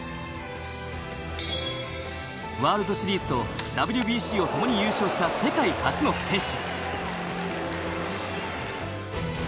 ワールドシリーズとＷＢＣをともに優勝した世界初の選手。